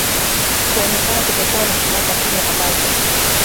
kuonekana kutokuwa na furaha kwa kile ambacho